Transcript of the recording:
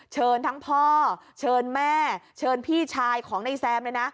เชิญทั้งพ่อเชิญแม่เชิญพี่ชายของนายแซมเลยนะ